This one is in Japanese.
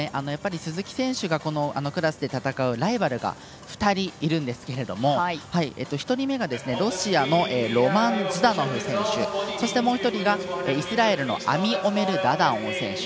鈴木選手がこのクラスで戦うライバルが２人いるんですが１人目がロシアのロマン・ズダノフ選手そしてもう１人がイスラエルのアミオメル・ダダオン選手。